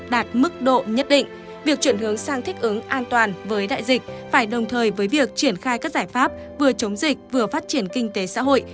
đạt mức độ nhất định việc chuyển hướng sang thích ứng an toàn với đại dịch phải đồng thời với việc triển khai các giải pháp vừa chống dịch vừa phát triển kinh tế xã hội